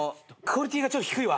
クオリティーが低い？